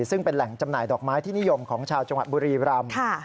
ซึ่งเป็นแหล่งจำหน่ายดอกไม้ที่นิยมของชาวจังหวัดบุรีรำ